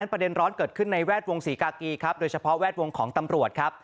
ประเด็นร้อนเกิดขึ้นในแวดวงศรีกากีครับโดยเฉพาะแวดวงของตำรวจครับ